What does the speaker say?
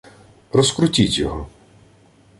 — Розкрутіть його.